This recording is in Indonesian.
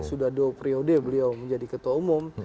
sudah dua periode beliau menjadi ketua umum